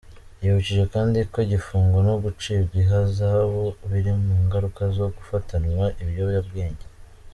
Yibukije kandi ko igifungo no gucibwa ihazabu biri mu ngaruka zo gufatanwa ibiyobyabwenge.